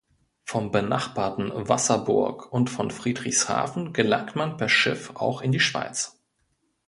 Vom benachbarten Wasserburg und von Friedrichshafen gelangt man per Schiff auch in die Schweiz.